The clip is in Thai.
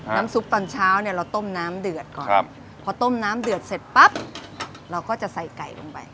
น้ำซุปตอนเช้าเนี่ยเราต้มน้ำเดือดก่อนพอต้มน้ำเดือดเสร็จปั๊บเราก็จะใส่ไก่ลงไป